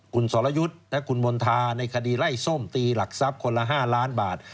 คุณสรยุทธ์และคุณมณฑาในคดีไล่ส้มตีหลักทรัพย์คนละ๕ล้านบาท